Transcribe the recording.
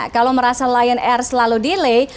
kalau merasa lion air selalu delay